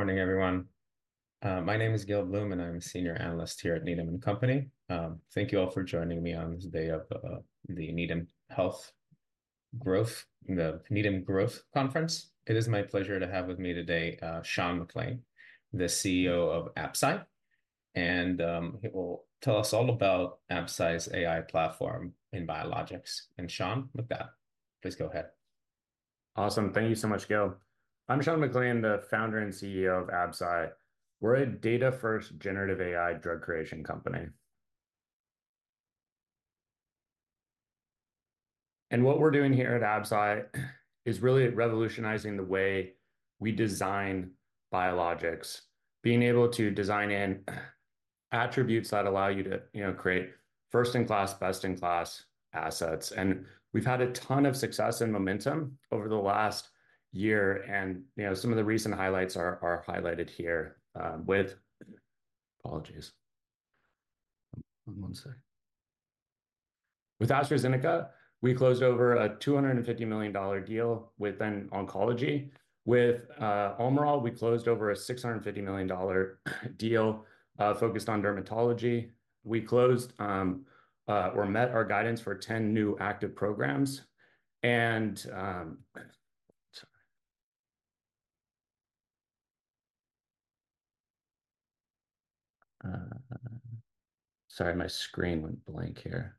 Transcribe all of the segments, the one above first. Morning, everyone. My name is Gil Blum, and I'm a senior analyst here at Needham & Company. Thank you all for joining me on this day of the Needham Growth Conference. It is my pleasure to have with me today Sean McClain, the CEO of Absci, and he will tell us all about Absci's AI platform in biologics. And Sean, with that, please go ahead. Awesome. Thank you so much, Gil. I'm Sean McClain, the founder and CEO of Absci. We're a data-first generative AI drug creation company. And what we're doing here at Absci is really revolutionizing the way we design biologics, being able to design in attributes that allow you to, you know, create first-in-class, best-in-class assets. And we've had a ton of success and momentum over the last year, and, you know, some of the recent highlights are highlighted here with... Apologies. One sec. With AstraZeneca, we closed over a $250 million deal within oncology. With Almirall, we closed over a $650 million deal focused on dermatology. We closed or met our guidance for 10 new active programs, and, sorry. Sorry, my screen went blank here.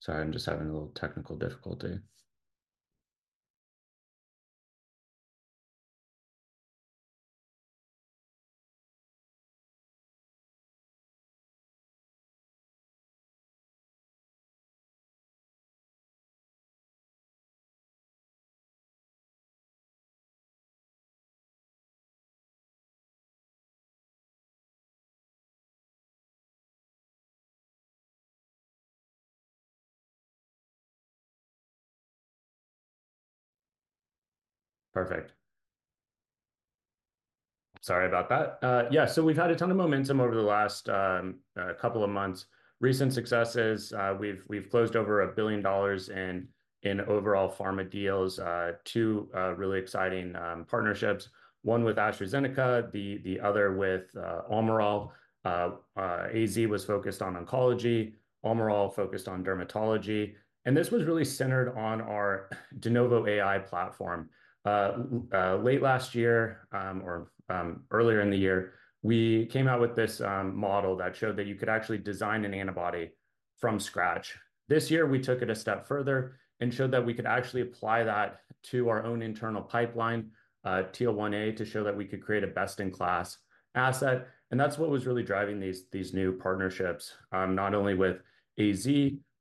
Sorry, I'm just having a little technical difficulty. Perfect. Sorry about that. Yeah, so we've had a ton of momentum over the last couple of months. Recent successes, we've closed over $1 billion in overall pharma deals, two really exciting partnerships, one with AstraZeneca, the other with Almirall. AZ was focused on oncology, Almirall focused on dermatology, and this was really centered on our de novo AI platform. Late last year or earlier in the year, we came out with this model that showed that you could actually design an antibody from scratch. This year, we took it a step further and showed that we could actually apply that to our own internal pipeline, TL1A, to show that we could create a best-in-class asset, and that's what was really driving these new partnerships, not only with AZ,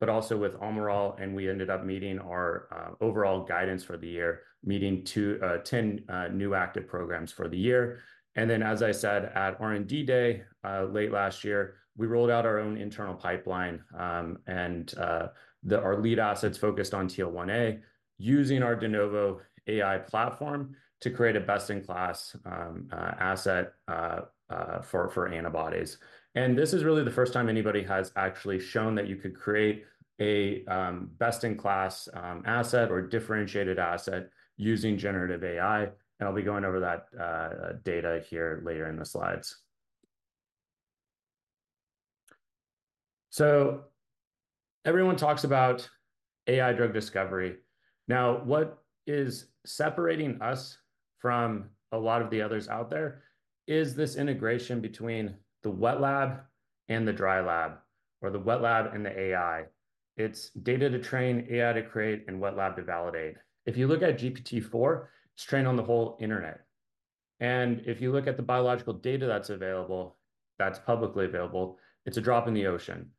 but also with Almirall. We ended up meeting our overall guidance for the year, meeting two to 10 new active programs for the year. Then, as I said at R&D Day late last year, we rolled out our own internal pipeline. Our lead assets focused on TL1A, using our de novo AI platform to create a best-in-class asset for antibodies. This is really the first time anybody has actually shown that you could create a best-in-class asset or differentiated asset using generative AI, and I'll be going over that data here later in the slides. Everyone talks about AI drug discovery. Now, what is separating us from a lot of the others out there is this integration between the wet lab and the dry lab, or the wet lab and the AI. It's data to train, AI to create, and wet lab to validate. If you look at GPT-4, it's trained on the whole internet, and if you look at the biological data that's available, that's publicly available, it's a drop in the ocean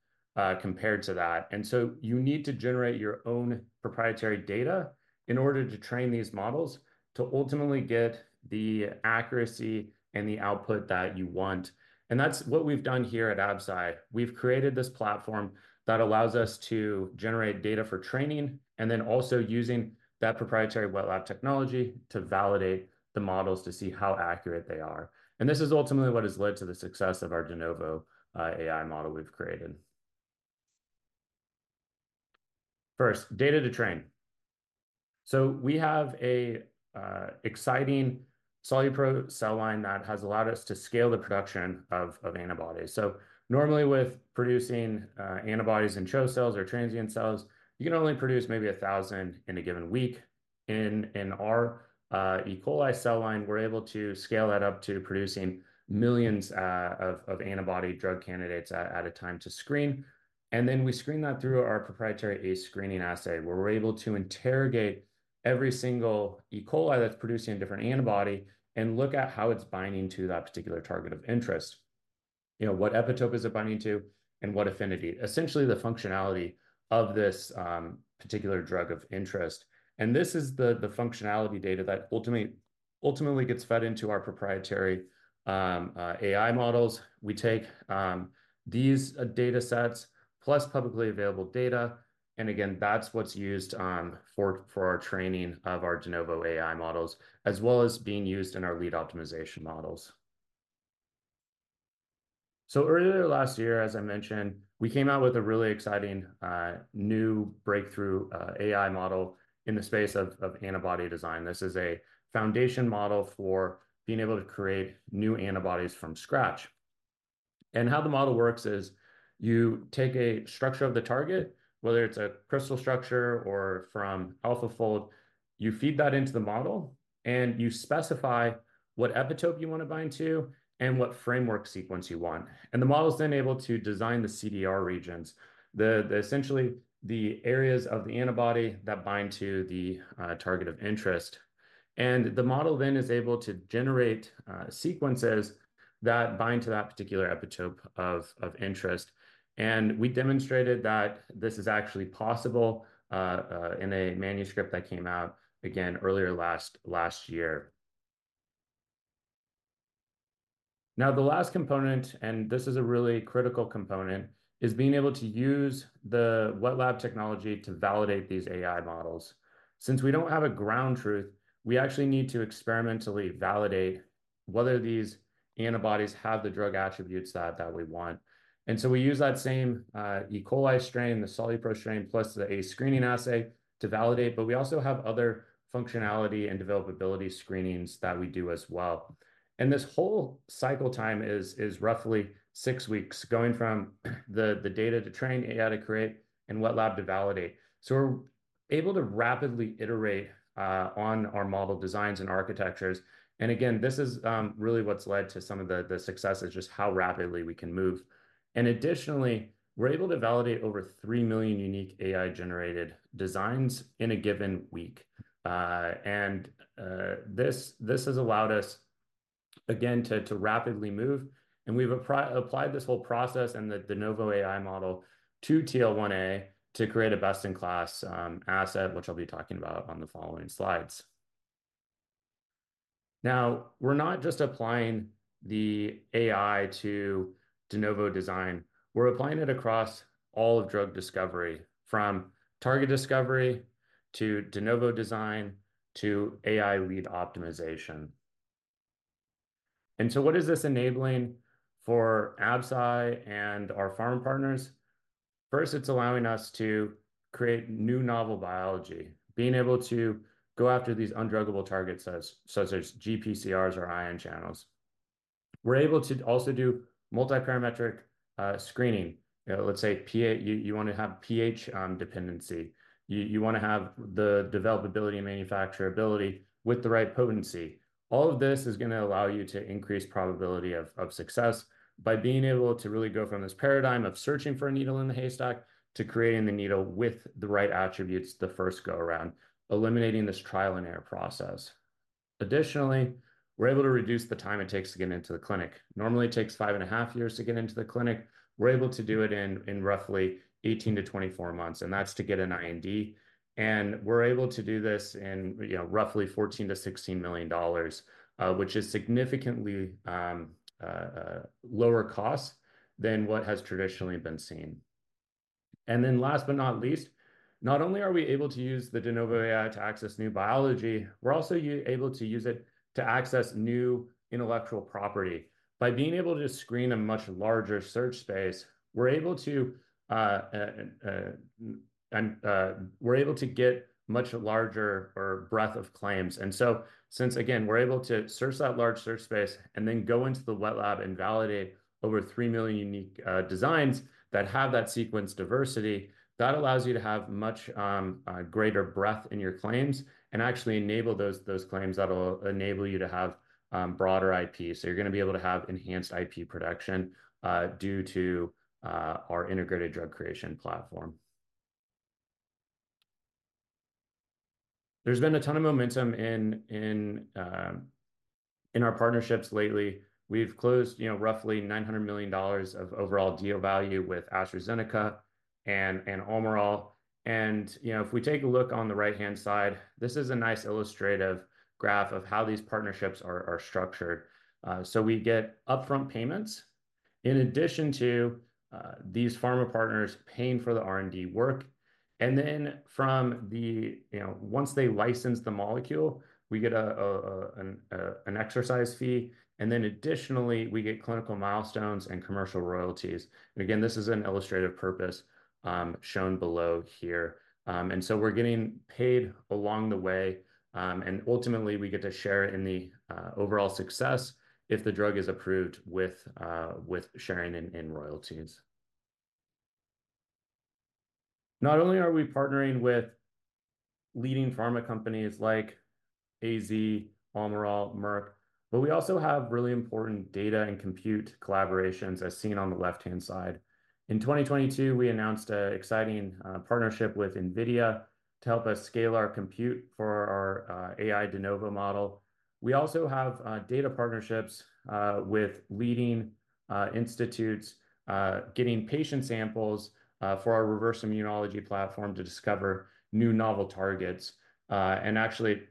compared to that. So you need to generate your own proprietary data in order to train these models to ultimately get the accuracy and the output that you want. That's what we've done here at Absci. We've created this platform that allows us to generate data for training, and then also using that proprietary wet lab technology to validate the models to see how accurate they are. This is ultimately what has led to the success of our de novo AI model we've created. First, data to train. We have an exciting SoluPro cell line that has allowed us to scale the production of antibodies. Normally, with producing antibodies in CHO cells or transient cells, you can only produce maybe 1,000 in a given week. In our E. coli cell line, we're able to scale that up to producing millions of antibody drug candidates at a time to screen. And then we screen that through our proprietary ACE screening assay, where we're able to interrogate every single E. coli that's producing a different antibody and look at how it's binding to that particular target of interest. You know, what epitope is it binding to, and what affinity? Essentially, the functionality of this particular drug of interest, and this is the functionality data that ultimately gets fed into our proprietary AI models. We take these datasets, plus publicly available data, and again, that's what's used for our training of our de novo AI models, as well as being used in our lead optimization models.... Earlier last year, as I mentioned, we came out with a really exciting new breakthrough AI model in the space of antibody design. This is a foundation model for being able to create new antibodies from scratch. And how the model works is you take a structure of the target, whether it's a crystal structure or from AlphaFold, you feed that into the model, and you specify what epitope you want to bind to and what framework sequence you want. And the model's then able to design the CDR regions, essentially the areas of the antibody that bind to the target of interest. And the model then is able to generate sequences that bind to that particular epitope of interest. And we demonstrated that this is actually possible in a manuscript that came out again earlier last year. Now, the last component, and this is a really critical component, is being able to use the wet lab technology to validate these AI models. Since we don't have a ground truth, we actually need to experimentally validate whether these antibodies have the drug attributes that we want. And so we use that same E. coli strain, the SoluPro strain, plus the A screening assay to validate, but we also have other functionality and developability screenings that we do as well. And this whole cycle time is roughly six weeks, going from the data to train AI to create and wet lab to validate. So we're able to rapidly iterate on our model designs and architectures. And again, this is really what's led to some of the success, is just how rapidly we can move. And additionally, we're able to validate over three million unique AI-generated designs in a given week. This has allowed us, again, to rapidly move, and we've applied this whole process and the de novo AI model to TL1A to create a best-in-class asset, which I'll be talking about on the following slides. Now, we're not just applying the AI to de novo design, we're applying it across all of drug discovery, from target discovery to de novo design to AI lead optimization. And so what is this enabling for Absci and our pharma partners? First, it's allowing us to create new novel biology, being able to go after these undruggable targets, such as GPCRs or ion channels. We're able to also do multiparametric screening. Let's say, pH, you want to have pH dependency. You want to have the developability and manufacturability with the right potency. All of this is going to allow you to increase probability of success by being able to really go from this paradigm of searching for a needle in the haystack to creating the needle with the right attributes the first go-around, eliminating this trial-and-error process. Additionally, we're able to reduce the time it takes to get into the clinic. Normally, it takes five and a half years to get into the clinic. We're able to do it in roughly 18-24 months, and that's to get an IND. We're able to do this in, you know, roughly $14 million-$16 million, which is significantly lower cost than what has traditionally been seen. And then last but not least, not only are we able to use the de novo AI to access new biology, we're also able to use it to access new intellectual property. By being able to screen a much larger search space, we're able to get much larger breadth of claims. And so since, again, we're able to search that large search space and then go into the wet lab and validate over three million unique designs that have that sequence diversity, that allows you to have much greater breadth in your claims and actually enable those claims that'll enable you to have broader IP. So you're going to be able to have enhanced IP production due to our Integrated Drug Creation platform. There's been a ton of momentum in our partnerships lately. We've closed, you know, roughly $900 million of overall deal value with AstraZeneca and Almirall. And, you know, if we take a look on the right-hand side, this is a nice illustrative graph of how these partnerships are structured. So we get upfront payments in addition to these pharma partners paying for the R&D work. And then from the you know, once they license the molecule, we get a exercise fee, and then additionally, we get clinical milestones and commercial royalties. And again, this is an illustrative purpose shown below here. And so we're getting paid along the way, and ultimately, we get to share in the overall success if the drug is approved with sharing in royalties. Not only are we partnering with leading pharma companies like AZ, Almirall, Merck, but we also have really important data and compute collaborations, as seen on the left-hand side. In 2022, we announced an exciting partnership with NVIDIA to help us scale our compute for our AI de novo model. We also have data partnerships with leading institutes getting patient samples for our reverse immunology platform to discover new novel targets. And actually,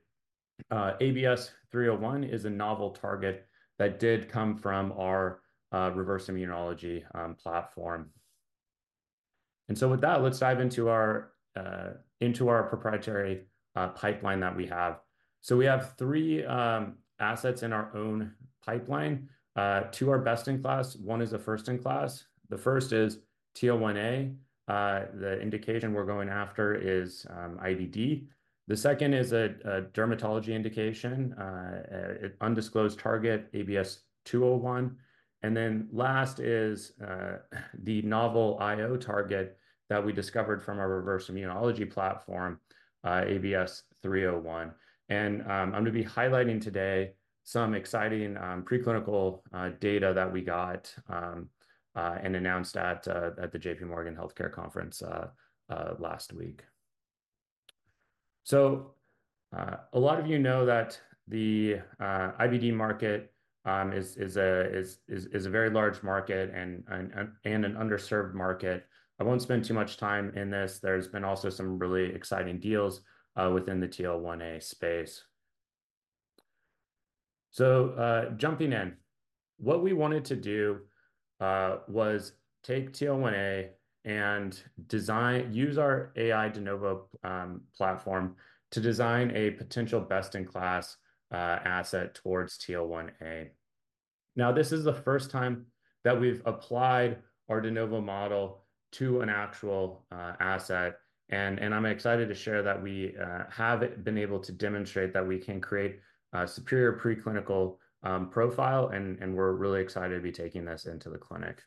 ABS-301 is a novel target that did come from our reverse immunology platform. And so with that, let's dive into our proprietary pipeline that we have. So we have three assets in our own pipeline. Two are best-in-class, one is a first-in-class. The first is TL1A. The indication we're going after is IBD. The second is a dermatology indication, an undisclosed target, ABS-201. And then last is the novel IO target that we discovered from our reverse immunology platform, ABS-301. And I'm going to be highlighting today some exciting preclinical data that we got and announced at the J.P. Morgan Healthcare Conference last week. So a lot of you know that the IBD market is a very large market and an underserved market. I won't spend too much time in this. There's been also some really exciting deals within the TL1A space. So jumping in. What we wanted to do was take TL1A and use our AI de novo platform to design a potential best-in-class asset towards TL1A. Now, this is the first time that we've applied our de novo model to an actual asset, and I'm excited to share that we have been able to demonstrate that we can create a superior preclinical profile, and we're really excited to be taking this into the clinic.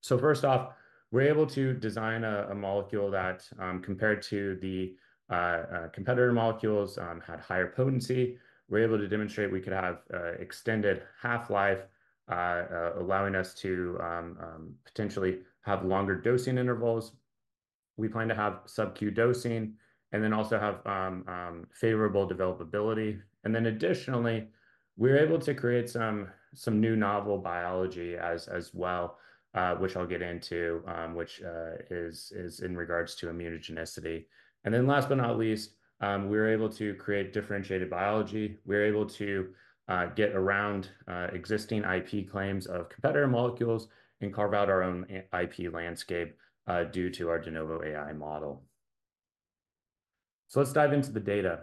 So first off, we're able to design a molecule that, compared to the competitor molecules, had higher potency. We're able to demonstrate we could have extended half-life, allowing us to potentially have longer dosing intervals. We plan to have sub-Q dosing, and then also have favorable developability. And then additionally, we're able to create some new novel biology as well, which I'll get into, which is in regards to immunogenicity. And then last but not least, we're able to create differentiated biology. We're able to get around existing IP claims of competitor molecules and carve out our own IP landscape due to our de novo AI model. So let's dive into the data.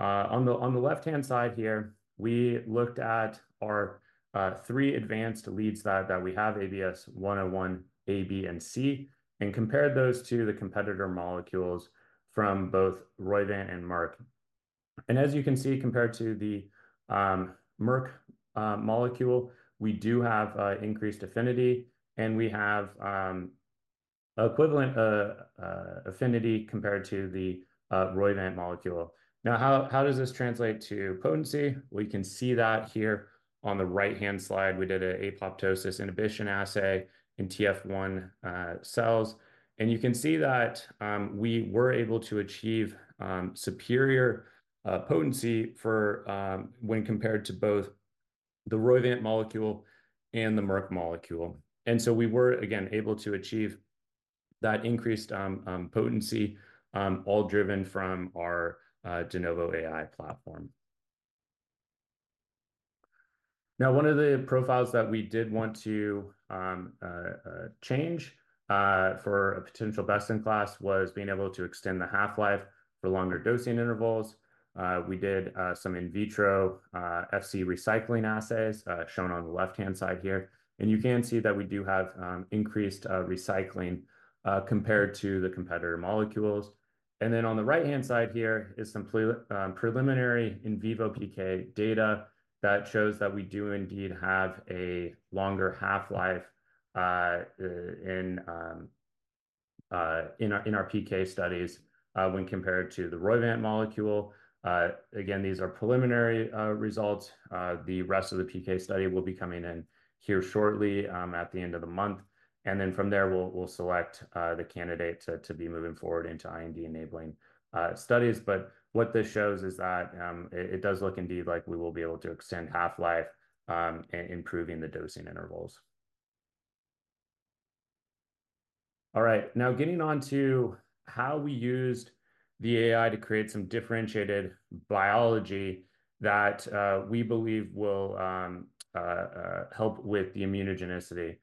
On the left-hand side here, we looked at our three advanced leads that we have, ABS-101 A, B, and C, and compared those to the competitor molecules from both Roivant and Merck. And as you can see, compared to the Merck molecule, we do have increased affinity, and we have equivalent affinity compared to the Roivant molecule. Now, how does this translate to potency? We can see that here on the right-hand slide. We did an apoptosis inhibition assay in TF-1 cells. You can see that we were able to achieve superior potency for when compared to both the Roivant molecule and the Merck molecule. So we were again able to achieve that increased potency all driven from our de novo AI platform. Now, one of the profiles that we did want to change for a potential best-in-class was being able to extend the half-life for longer dosing intervals. We did some in vitro Fc recycling assays shown on the left-hand side here, and you can see that we do have increased recycling compared to the competitor molecules. And then on the right-hand side here is some preliminary in vivo PK data that shows that we do indeed have a longer half-life, in our PK studies, when compared to the Roivant molecule. Again, these are preliminary results. The rest of the PK study will be coming in here shortly, at the end of the month. And then from there, we'll select the candidate to be moving forward into IND-enabling studies. But what this shows is that, it does look indeed like we will be able to extend half-life, and improving the dosing intervals. All right, now getting on to how we used the AI to create some differentiated biology that we believe will help with the immunogenicity.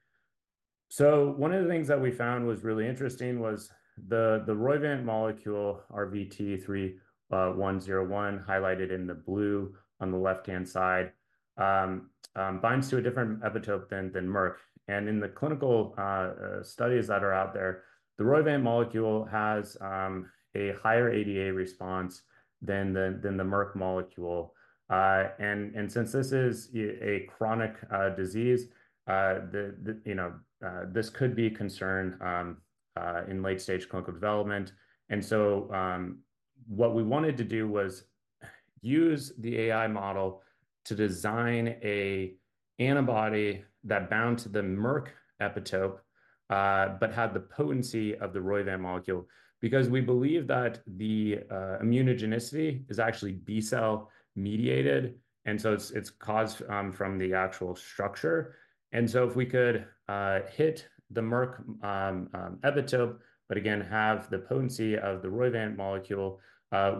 So one of the things that we found was really interesting was the Roivant molecule, RVT-3101, highlighted in the blue on the left-hand side, binds to a different epitope than Merck. And in the clinical studies that are out there, the Roivant molecule has a higher ADA response than the Merck molecule. And since this is a chronic disease, you know, this could be a concern in late-stage clinical development. And so what we wanted to do was use the AI model to design a antibody that bound to the Merck epitope, but had the potency of the Roivant molecule. Because we believe that the immunogenicity is actually B-cell mediated, and so it's caused from the actual structure. If we could hit the Merck epitope, but again, have the potency of the Roivant molecule,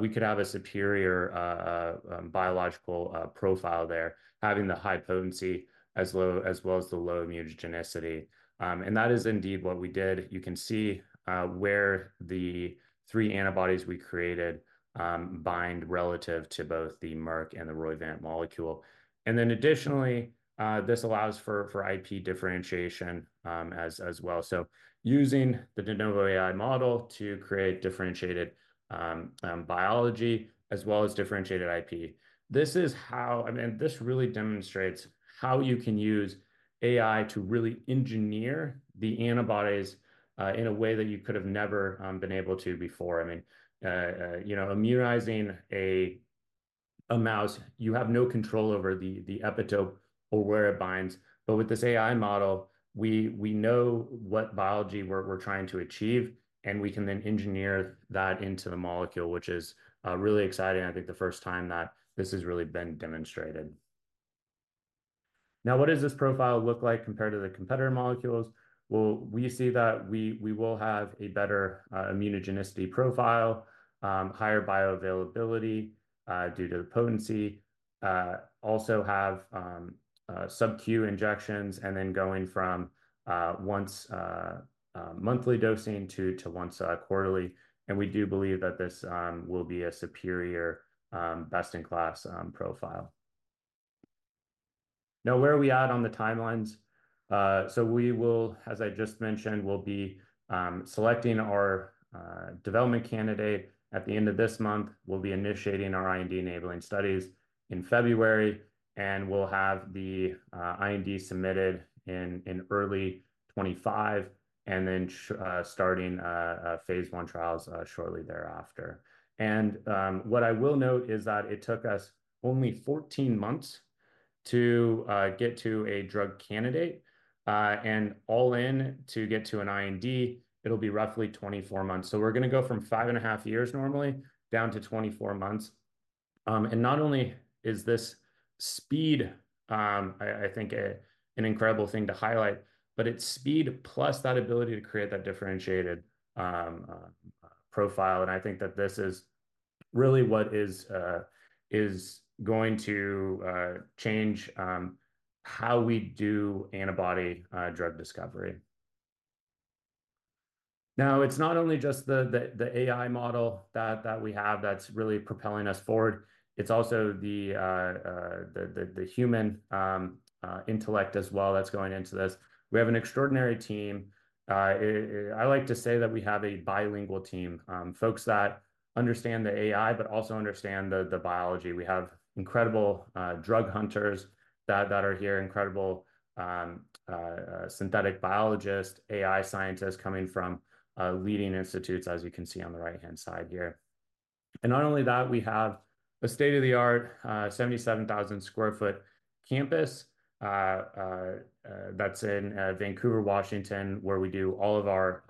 we could have a superior biological profile there, having the high potency as well as the low immunogenicity. That is indeed what we did. You can see where the three antibodies we created bind relative to both the Merck and the Roivant molecule. Then additionally, this allows for IP differentiation, as well. So using the de novo AI model to create differentiated biology as well as differentiated IP. This is how, I mean, this really demonstrates how you can use AI to really engineer the antibodies in a way that you could have never been able before. I mean, you know, immunizing a mouse, you have no control over the epitope or where it binds. But with this AI model, we know what biology we're trying to achieve, and we can then engineer that into the molecule, which is really exciting, and I think the first time that this has really been demonstrated. Now, what does this profile look like compared to the competitor molecules? Well, we see that we will have a better immunogenicity profile, higher bioavailability due to the potency. Also have sub-Q injections, and then going from once monthly dosing to once quarterly. And we do believe that this will be a superior best-in-class profile. Now, where are we at on the timelines? So we will, as I just mentioned, we'll be selecting our development candidate at the end of this month. We'll be initiating our IND-enabling studies in February, and we'll have the IND submitted in early 2025, and then starting phase I trials shortly thereafter. And what I will note is that it took us only 14 months to get to a drug candidate, and all-in to get to an IND, it'll be roughly 24 months. So we're gonna go from five and a half years normally, down to 24 months. And not only is this speed, I think, an incredible thing to highlight, but it's speed plus that ability to create that differentiated profile. And I think that this is really what is going to change how we do antibody drug discovery. Now, it's not only just the AI model that we have that's really propelling us forward, it's also the human intellect as well that's going into this. We have an extraordinary team. I like to say that we have a bilingual team, folks that understand the AI, but also understand the biology. We have incredible drug hunters that are here, incredible synthetic biologists, AI scientists coming from leading institutes, as you can see on the right-hand side here. And not only that, we have a state-of-the-art, 77,000 sq ft campus, that's in Vancouver, Washington, where we do all of our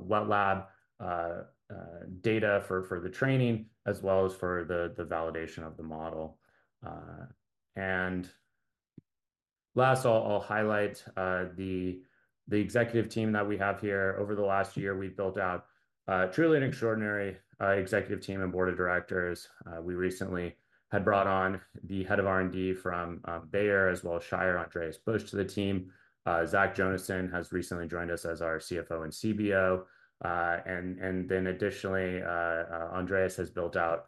wet lab data for the training, as well as for the validation of the model. And last, I'll highlight the executive team that we have here. Over the last year, we've built out truly an extraordinary executive team and board of directors. We recently had brought on the head of R&D from Bayer as well as Shire, Andreas Busch, to the team. Zach Jonasson has recently joined us as our CFO and CBO. And then additionally, Andreas has built out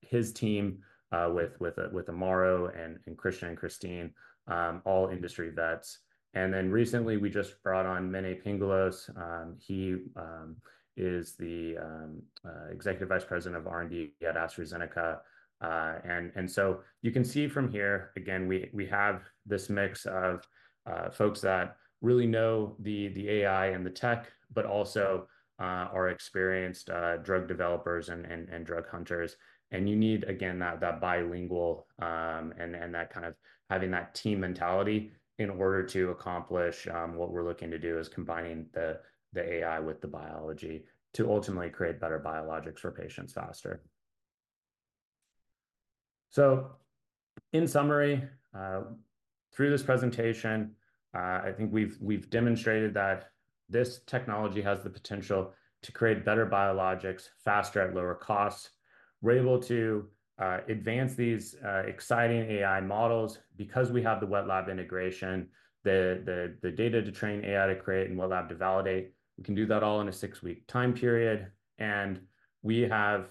his team with Amaro and Krishna and Christine, all industry vets. Then recently, we just brought on Mene Pangalos. He is the Executive Vice President of R&D at AstraZeneca. And so you can see from here, again, we have this mix of folks that really know the AI and the tech, but also are experienced drug developers and drug hunters. You need, again, that bilingual and that kind of having that team mentality in order to accomplish what we're looking to do is combining the AI with the biology to ultimately create better biologics for patients faster. So in summary, through this presentation, I think we've demonstrated that this technology has the potential to create better biologics faster at lower costs. We're able to advance these exciting AI models because we have the wet lab integration, the data to train AI to create and wet lab to validate. We can do that all in a six-week time period, and we have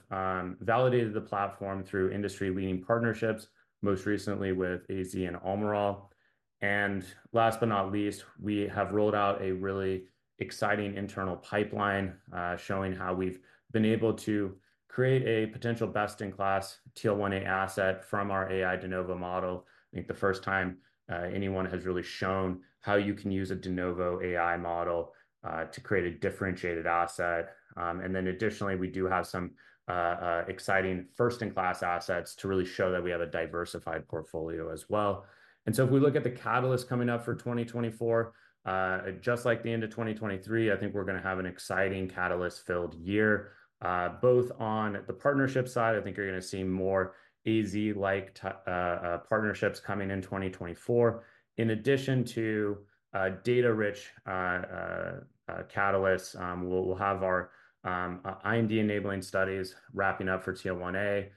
validated the platform through industry-leading partnerships, most recently with AZ and Almirall. And last but not least, we have rolled out a really exciting internal pipeline, showing how we've been able to create a potential best-in-class TL1A asset from our AI de novo model. I think the first time anyone has really shown how you can use a de novo AI model to create a differentiated asset. And then additionally, we do have some exciting first-in-class assets to really show that we have a diversified portfolio as well. So if we look at the catalyst coming up for 2024, just like the end of 2023, I think we're gonna have an exciting catalyst-filled year. Both on the partnership side, I think you're gonna see more AZ-like partnerships coming in 2024. In addition to data-rich catalysts, we'll have our IND-enabling studies wrapping up for TL1A,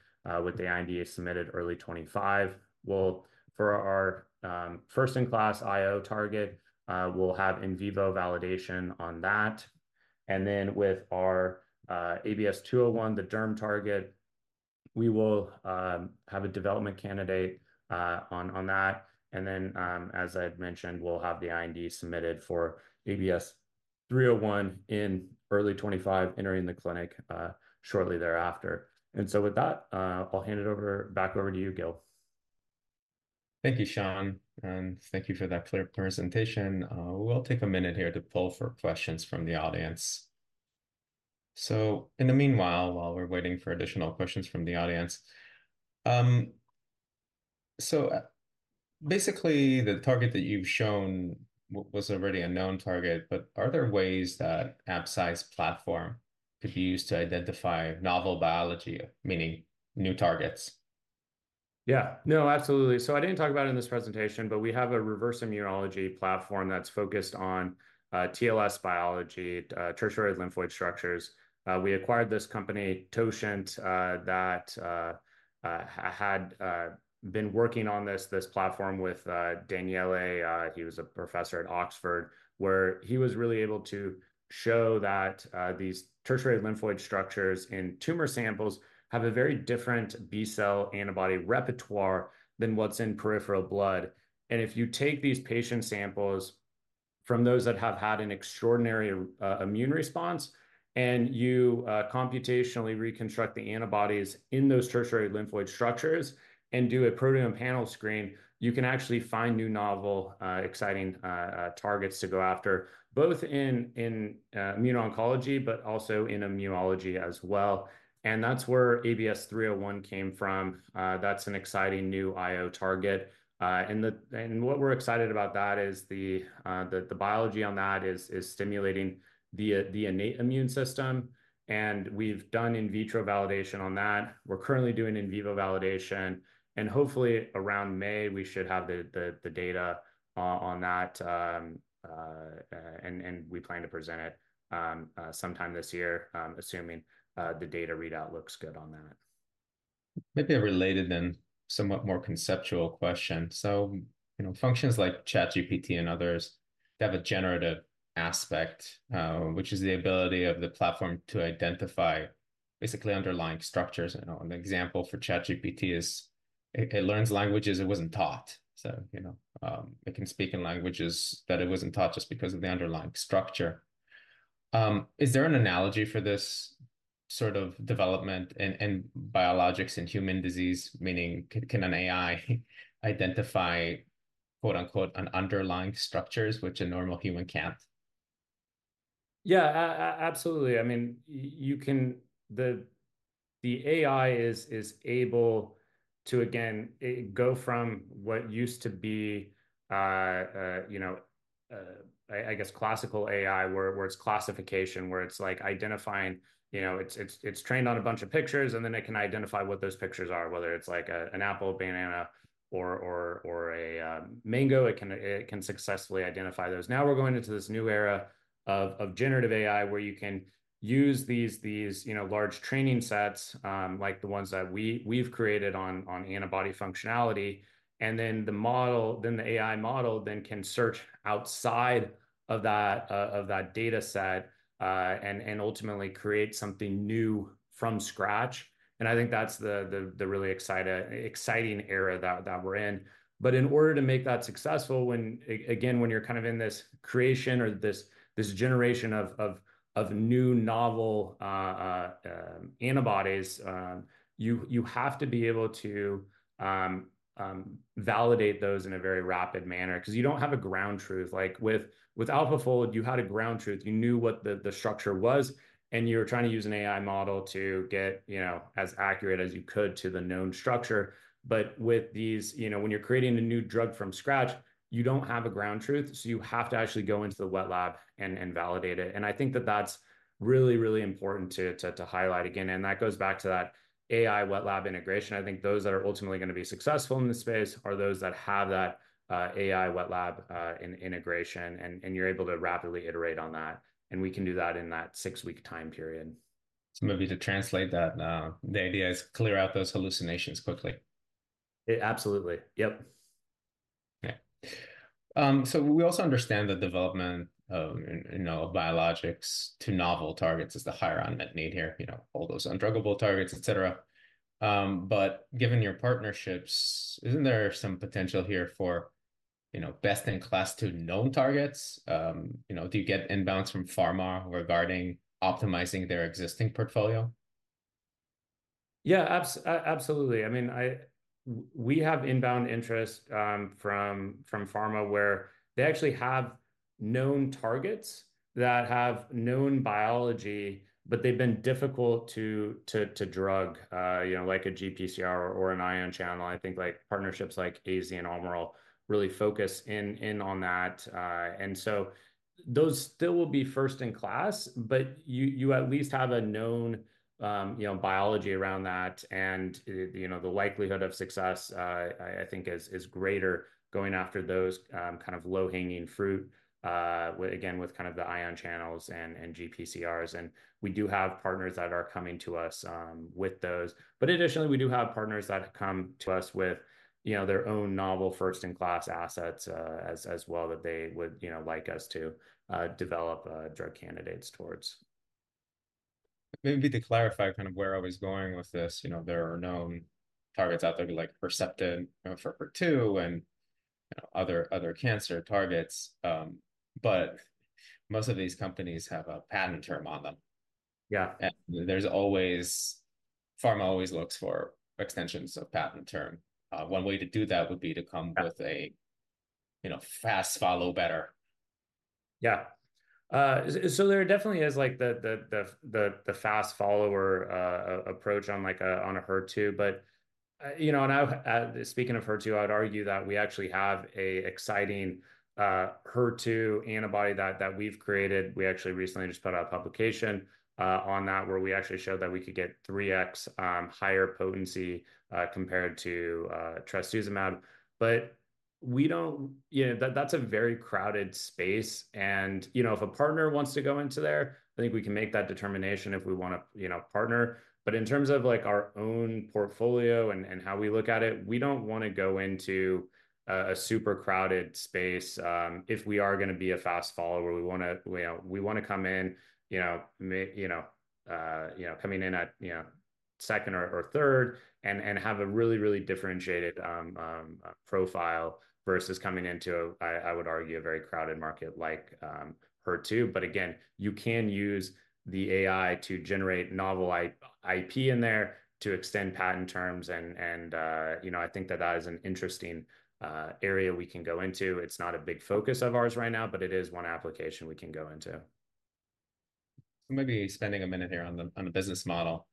with the IND submitted early 2025. For our first-in-class IO target, we'll have in vivo validation on that, and then with our ABS-201, the derm target, we will have a development candidate on that. And then, as I've mentioned, we'll have the IND submitted for ABS-301 in early 2025, entering the clinic shortly thereafter. And so with that, I'll hand it back over to you, Gil. Thank you, Sean, and thank you for that clear presentation. We'll take a minute here to poll for questions from the audience. So in the meanwhile, while we're waiting for additional questions from the audience, basically, the target that you've shown was already a known target, but are there ways that Absci's platform could be used to identify novel biology, meaning new targets? Yeah. No, absolutely. So I didn't talk about it in this presentation, but we have a reverse immunology platform that's focused on TLS biology, tertiary lymphoid structures. We acquired this company, Totient, that had been working on this platform with Daniele. He was a professor at Oxford, where he was really able to show that these tertiary lymphoid structures in tumor samples have a very different B-cell antibody repertoire than what's in peripheral blood. And if you take these patient samples from those that have had an extraordinary immune response, and you computationally reconstruct the antibodies in those tertiary lymphoid structures and do a proteome panel screen, you can actually find new novel exciting targets to go after, both in immuno-oncology, but also in immunology as well. And that's where ABS-301 came from. That's an exciting new IO target. And what we're excited about that is the biology on that is stimulating the innate immune system, and we've done in vitro validation on that. We're currently doing in vivo validation, and hopefully, around May, we should have the data on that. And we plan to present it sometime this year, assuming the data readout looks good on that. Maybe a related, then somewhat more conceptual question. So, you know, functions like ChatGPT and others, they have a generative aspect, which is the ability of the platform to identify basically underlying structures. You know, an example for ChatGPT is it learns languages it wasn't taught. So, you know, it can speak in languages that it wasn't taught just because of the underlying structure. Is there an analogy for this sort of development in biologics in human disease, meaning, can an AI identify, quote-unquote, "an underlying structures," which a normal human can't? Yeah, absolutely. I mean, you can... The AI is able to, again, go from what used to be, I guess, classical AI, where it's classification, where it's, like, identifying, you know, it's trained on a bunch of pictures, and then it can identify what those pictures are, whether it's like an apple, a banana, or a mango. It can successfully identify those. Now, we're going into this new era of generative AI, where you can use these, you know, large training sets, like the ones that we've created on antibody functionality, and then the AI model can search outside of that data set, and ultimately create something new from scratch. And I think that's the really exciting era that we're in. But in order to make that successful, again, when you're kind of in this creation or this generation of new novel antibodies, you have to be able to validate those in a very rapid manner, 'cause you don't have a ground truth. Like, with AlphaFold, you had a ground truth. You knew what the structure was, and you were trying to use an AI model to get, you know, as accurate as you could to the known structure. But with these, you know, when you're creating a new drug from scratch, you don't have a ground truth, so you have to actually go into the wet lab and validate it. And I think that that's really, really important to, to, to highlight again, and that goes back to that AI-wet lab integration. I think those that are ultimately gonna be successful in this space are those that have that, AI-wet lab, integration, and, and you're able to rapidly iterate on that. And we can do that in that six-week time period. Maybe to translate that, the idea is clear out those hallucinations quickly. Absolutely. Yep. Okay. So we also understand the development of, you know, biologics to novel targets is the higher unmet need here, you know, all those undruggable targets, et cetera. But given your partnerships, isn't there some potential here for, you know, best-in-class to known targets? You know, do you get inbounds from pharma regarding optimizing their existing portfolio?... yeah, absolutely. I mean, we have inbound interest from pharma where they actually have known targets that have known biology, but they've been difficult to drug, you know, like a GPCR or an ion channel. I think, like, partnerships like AZ and Almirall really focus in on that. And so those still will be first in class, but you at least have a known, you know, biology around that, and, you know, the likelihood of success, I think is greater going after those, kind of low-hanging fruit, with, again, with kind of the ion channels and GPCRs. And we do have partners that are coming to us, with those. But additionally, we do have partners that come to us with, you know, their own novel first-in-class assets, as well, that they would, you know, like us to develop drug candidates towards. Maybe to clarify kind of where I was going with this, you know, there are known targets out there, like Herceptin, you know, for HER2 and, you know, other, other cancer targets. But most of these companies have a patent term on them. Yeah. There's always... pharma always looks for extensions of patent term. One way to do that would be to come with a, you know, fast follow better. Yeah. So there definitely is, like, the fast follower approach on, like, on a HER2. But, you know, speaking of HER2, I'd argue that we actually have an exciting HER2 antibody that we've created. We actually recently just put out a publication on that, where we actually showed that we could get 3x higher potency compared to trastuzumab. But we don't, you know, that's a very crowded space and, you know, if a partner wants to go into there, I think we can make that determination if we wanna, you know, partner. But in terms of, like, our own portfolio and how we look at it, we don't wanna go into a super crowded space. If we are gonna be a fast follower, we wanna, you know, we wanna come in, you know, maybe, you know, coming in at, you know, second or third and have a really, really differentiated profile versus coming into, I would argue, a very crowded market like HER2. But again, you can use the AI to generate novel IP in there to extend patent terms and, you know, I think that that is an interesting area we can go into. It's not a big focus of ours right now, but it is one application we can go into. So maybe spending a minute here on the business model.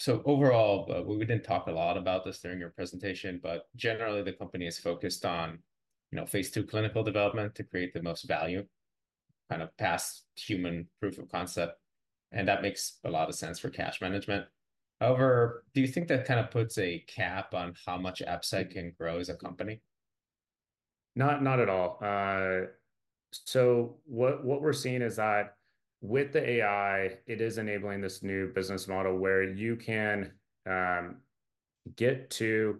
So overall, we didn't talk a lot about this during your presentation, but generally, the company is focused on, you know, phase II clinical development to create the most value, kind of past human proof of concept, and that makes a lot of sense for cash management. However, do you think that kind of puts a cap on how much upside can grow as a company? Not, not at all. So what we're seeing is that with the AI, it is enabling this new business model where you can get to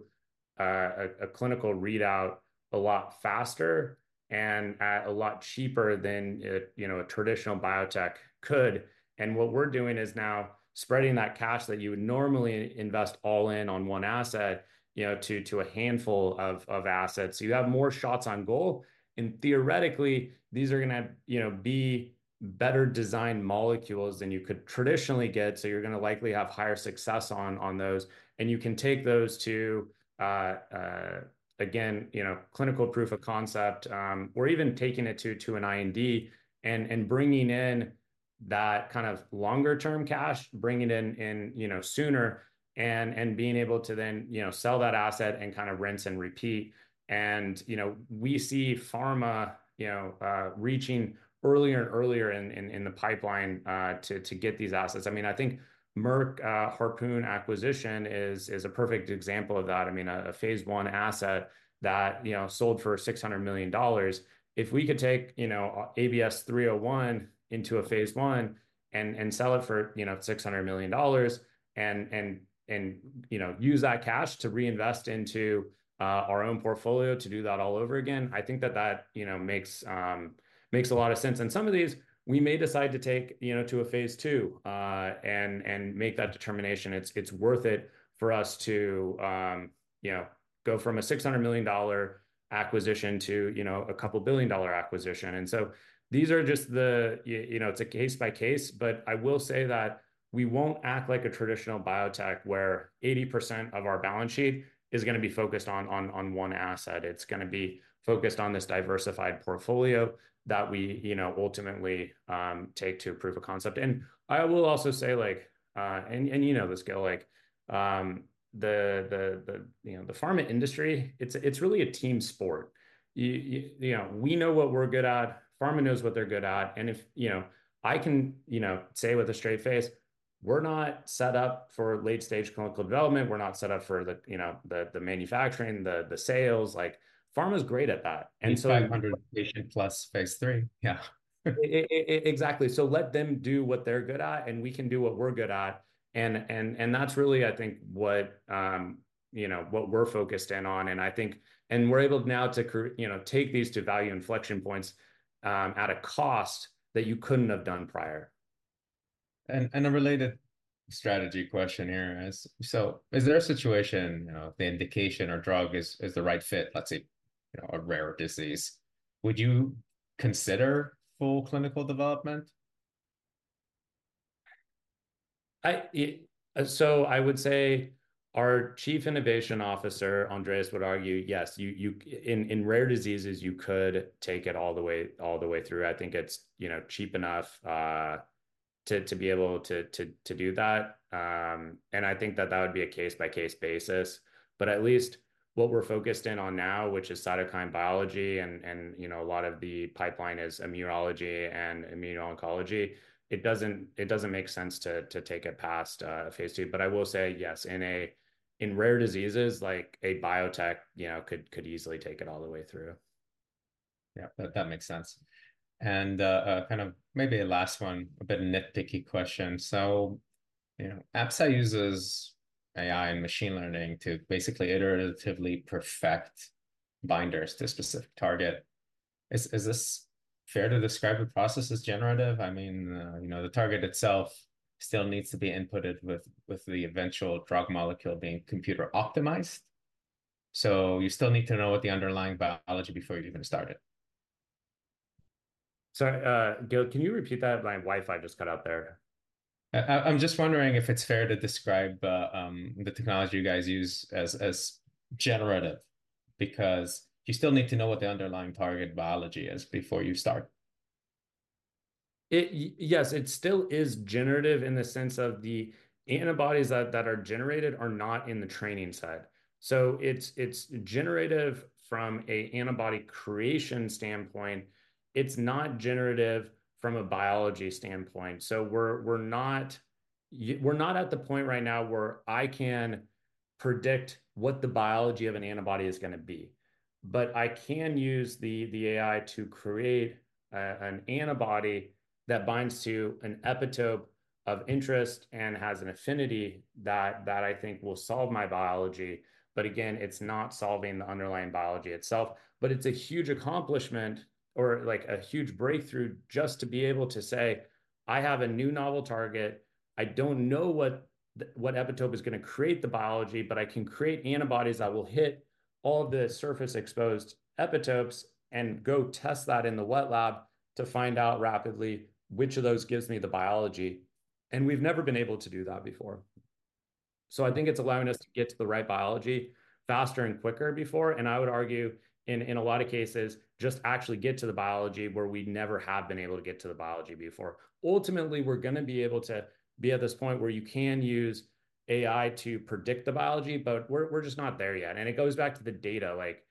a clinical readout a lot faster and at a lot cheaper than a, you know, a traditional biotech could. And what we're doing is now spreading that cash that you would normally invest all in on one asset, you know, to a handful of assets. So you have more shots on goal, and theoretically, these are gonna, you know, be better-designed molecules than you could traditionally get, so you're gonna likely have higher success on those. And you can take those to, again, you know, clinical proof of concept, or even taking it to, to an IND and, and bringing in that kind of longer-term cash, bringing in, in, you know, sooner and, and being able to then, you know, sell that asset and kind of rinse and repeat. And, you know, we see pharma, you know, reaching earlier and earlier in, in, in the pipeline, to, to get these assets. I mean, I think Merck Harpoon acquisition is, is a perfect example of that. I mean, a phase I asset that, you know, sold for $600 million. If we could take, you know, ABS-301 into a phase I and sell it for, you know, $600 million and use that cash to reinvest into our own portfolio to do that all over again, I think that that, you know, makes makes a lot of sense. And some of these, we may decide to take, you know, to a phase II and make that determination. It's worth it for us to, you know, go from a $600 million acquisition to, you know, a couple billion-dollar acquisition. And so these are just the you know, it's a case by case, but I will say that we won't act like a traditional biotech, where 80% of our balance sheet is gonna be focused on one asset. It's gonna be focused on this diversified portfolio that we, you know, ultimately, take to proof of concept. And I will also say, like, you know this, Gil, like, the pharma industry, it's really a team sport. You know, we know what we're good at, pharma knows what they're good at, and if, you know, I can, you know, say with a straight face, we're not set up for late-stage clinical development. We're not set up for the, you know, the manufacturing, the sales. Like, pharma's great at that, and so- 500 patient plus phase III. Yeah. Exactly. So let them do what they're good at, and we can do what we're good at, and, and, and that's really, I think, what, you know, what we're focused in on. And I think, and we're able now to, you know, take these to value inflection points, at a cost that you couldn't have done prior. A related strategy question here is, so is there a situation, you know, if the indication or drug is the right fit, let's say? You know, a rare disease, would you consider full clinical development? So I would say our Chief Innovation Officer, Andreas, would argue yes, in rare diseases you could take it all the way, all the way through. I think it's, you know, cheap enough to do that. And I think that that would be a case-by-case basis. But at least what we're focused in on now, which is cytokine biology, and you know, a lot of the pipeline is immunology and immuno-oncology. It doesn't make sense to take it past phase two. But I will say yes, in rare diseases, like a biotech, you know, could easily take it all the way through. Yeah, that, that makes sense. Kind of maybe a last one, a bit nitpicky question. So, you know, Absci uses AI and machine learning to basically iteratively perfect binders to a specific target. Is, is this fair to describe the process as generative? I mean, you know, the target itself still needs to be inputted with, with the eventual drug molecule being computer optimized. So you still need to know what the underlying biology before you even start it. Sorry, Gil, can you repeat that? My Wi-Fi just cut out there. I'm just wondering if it's fair to describe the technology you guys use as generative, because you still need to know what the underlying target biology is before you start? Yes, it still is generative in the sense of the antibodies that are generated are not in the training set. So it's generative from an antibody creation standpoint. It's not generative from a biology standpoint. So we're not at the point right now where I can predict what the biology of an antibody is gonna be. But I can use the AI to create an antibody that binds to an epitope of interest and has an affinity that I think will solve my biology. But again, it's not solving the underlying biology itself, but it's a huge accomplishment or like a huge breakthrough just to be able to say, "I have a new novel target. I don't know what epitope is gonna create the biology, but I can create antibodies that will hit all the surface-exposed epitopes and go test that in the wet lab to find out rapidly which of those gives me the biology." And we've never been able to do that before. So I think it's allowing us to get to the right biology faster and quicker before, and I would argue, in a lot of cases, just actually get to the biology where we never have been able to get to the biology before. Ultimately, we're gonna be able to be at this point where you can use AI to predict the biology, but we're just not there yet. It goes back to the data, like,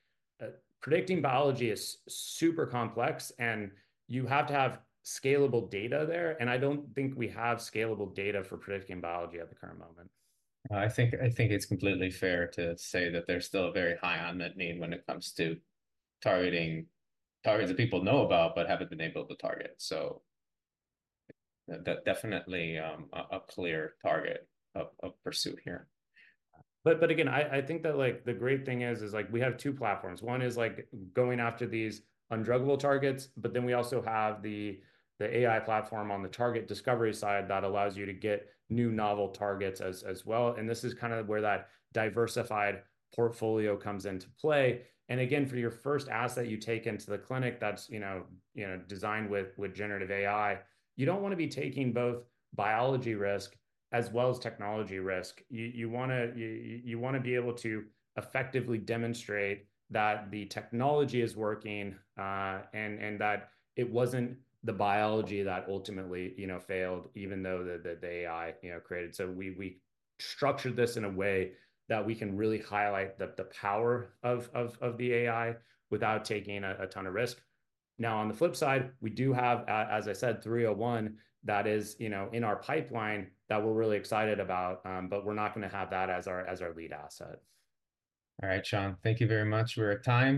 predicting biology is super complex, and you have to have scalable data there, and I don't think we have scalable data for predicting biology at the current moment. I think it's completely fair to say that there's still a very high unmet need when it comes to targeting targets that people know about but haven't been able to target. So that definitely a clear target of pursuit here. But again, I think that, like, the great thing is like we have two platforms. One is, like, going after these undruggable targets, but then we also have the AI platform on the target discovery side that allows you to get new novel targets as well, and this is kind of where that diversified portfolio comes into play. And again, for your first asset you take into the clinic that's, you know, designed with generative AI, you don't want to be taking both biology risk as well as technology risk. You wanna be able to effectively demonstrate that the technology is working, and that it wasn't the biology that ultimately, you know, failed, even though the AI, you know, created. We structured this in a way that we can really highlight the power of the AI without taking a ton of risk. Now, on the flip side, we do have, as I said, 301 that is, you know, in our pipeline that we're really excited about, but we're not gonna have that as our lead asset. All right, Sean, thank you very much. We're at time.